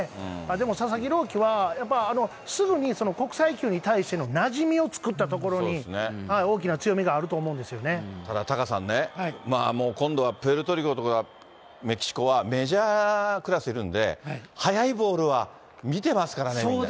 でも佐々木朗希は、やっぱすぐに国際球に対してのなじみを作ったところに、大きな強ただ、タカさんね、今度はプエルトリコとかメキシコはメジャークラスいるんで、速いボールは見てますからね、みんな。